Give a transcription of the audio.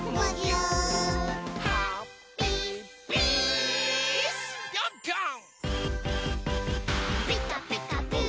うん！